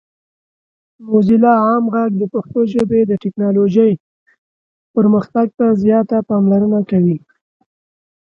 موزیلا عام غږ د پښتو ژبې د ټیکنالوجۍ پرمختګ ته زیاته پاملرنه کوي.